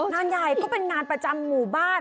งานใหญ่ก็เป็นงานประจำหมู่บ้าน